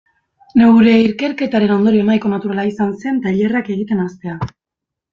Neure ikerketaren ondorio nahiko naturala izan zen tailerrak egiten hastea.